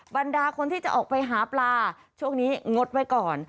บรรดาคนที่จะออกไปหาปลาช่วงนี้งดไว้ก่อน